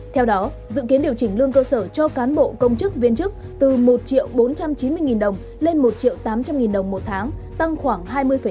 theo đó dự kiến điều chỉnh lương cơ sở cho cán bộ công chức viên chức từ một bốn trăm chín mươi nghìn đồng lên một triệu tám trăm linh đồng một tháng tăng khoảng hai mươi